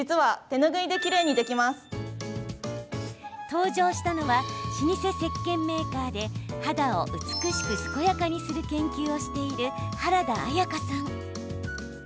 登場したのは老舗せっけんメーカーで肌を美しく健やかにする研究をしている原田綾佳さん。